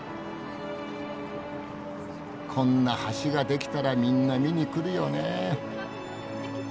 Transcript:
こんな橋が出来たらみんな見に来るよねえ。